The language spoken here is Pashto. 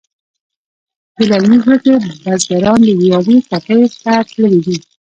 د للمې ځمکې بزگران د ویالې کټیر ته تللي دي.